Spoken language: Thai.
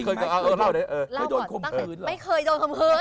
ล้อว่าแต่ไม่เคยโดนคุมคืน